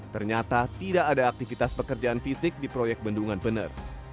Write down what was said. ternyata tidak ada aktivitas pekerjaan fisik di proyek bendungan bener